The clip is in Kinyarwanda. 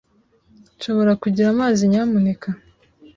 Nshobora kugira amazi, nyamuneka?